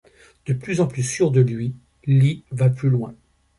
De plus en plus sûr de lui, Lee va plus loin.